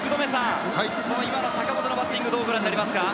今の坂本のバッティング、どうご覧になりますか？